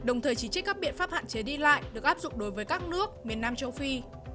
đồng thời chỉ trích các biện pháp hạn chế đi lại được áp dụng đối với các nước miền nam châu phi